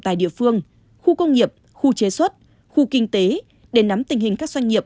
tại địa phương khu công nghiệp khu chế xuất khu kinh tế để nắm tình hình các doanh nghiệp